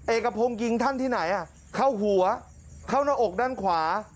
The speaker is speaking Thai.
เอกพงศ์ยิงท่านที่ไหนเข้าหัวเข้าหน้าอกด้านขวา